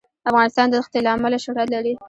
افغانستان د ښتې له امله شهرت لري.